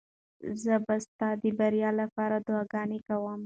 زه به ستا د بریا لپاره دعاګانې کوم.